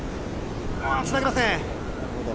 つなげません。